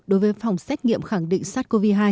đối với phòng xét nghiệm khẳng định sars cov hai